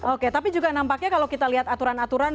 oke tapi juga nampaknya kalau kita lihat aturan aturan